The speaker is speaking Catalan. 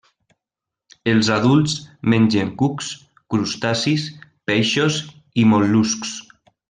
Els adults mengen cucs, crustacis, peixos i mol·luscs.